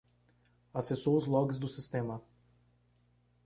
Acessou os logs do sistema.